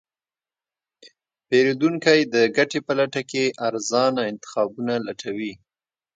پیرودونکی د ګټې په لټه کې ارزانه انتخابونه لټوي.